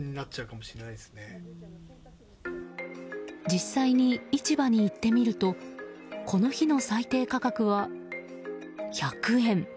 実際に市場に行ってみるとこの日の最低価格は１００円。